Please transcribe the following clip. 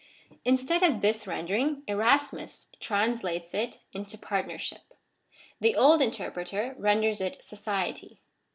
Instead of this rendering Erasmus translates it into partnership. The old interpreter renders it society.